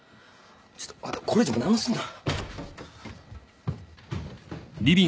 ちょっとあんたこれ以上何もすんな。